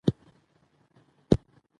زاړه میتودونه اوس کار نه ورکوي.